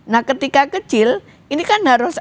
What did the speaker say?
nah ketika kecil ini kan harus